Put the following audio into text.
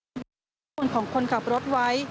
และความวุ่นของคนกับรถไว้